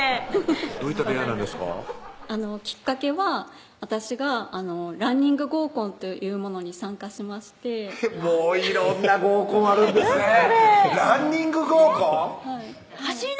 きっかけは私がランニング合コンというものに参加しましてもう色んな合コンあるんですねランニング合コン？